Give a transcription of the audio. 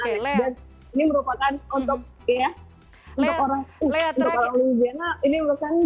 dan ini merupakan untuk orang louisiana ini merupakan badai